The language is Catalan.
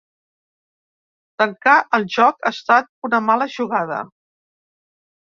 Tancar el joc ha estat una mala jugada.